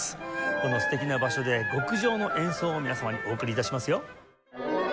この素敵な場所で極上の演奏を皆様にお送り致しますよ。